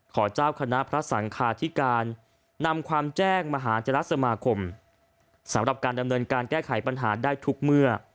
เจ้าคณะพระสังคาธิการนำความแจ้งมหาเจรสมาคมสำหรับการดำเนินการแก้ไขปัญหาได้ทุกเมื่อ